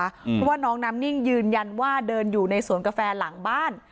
เพราะว่าน้องน้ำนิ่งยืนยันว่าเดินอยู่ในสวนกาแฟหลังบ้าน